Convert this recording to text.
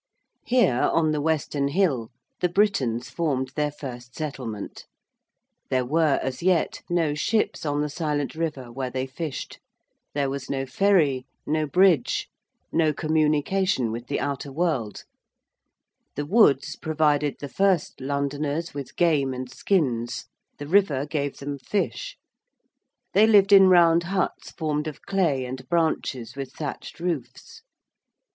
Here, on the western hill, the Britons formed their first settlement; there were as yet no ships on the silent river where they fished; there was no ferry, no bridge, no communication with the outer world; the woods provided the first Londoners with game and skins; the river gave them fish; they lived in round huts formed of clay and branches with thatched roofs.